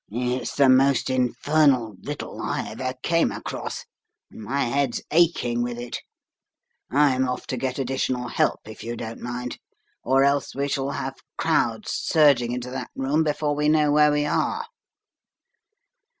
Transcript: "It's the most infernal riddle I ever came across, and my head's aching with it. I'm off to get additional help, if you don't mind, or else we shall have crowds surging into that room before we know where we are."